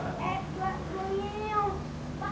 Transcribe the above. eh gua kembali ya